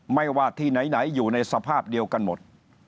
ไม่ว่าที่ไหนอยู่ในสภาพเดียวกันหมด